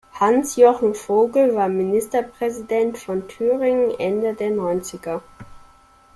Hans-Jochen Vogel war Ministerpräsident von Thüringen Ende der Neunziger.